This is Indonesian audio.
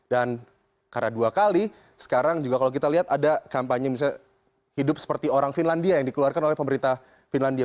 dan karena dua kali sekarang juga kalau kita lihat ada kampanye misalnya hidup seperti orang finlandia yang dikeluarkan oleh pemerintah finlandia